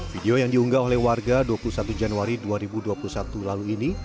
video yang diunggah oleh warga dua puluh satu januari dua ribu dua puluh satu lalu ini